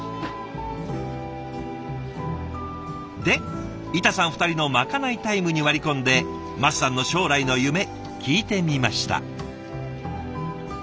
で板さん二人のまかないタイムに割り込んで舛さんの将来の夢聞いてみました。